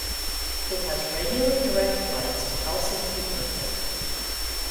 It has regular direct flights to Helsinki Airport.